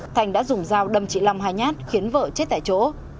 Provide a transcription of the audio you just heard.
thành đã dùng dao đâm chị long hai nhát khiến vợ chết tại chỗ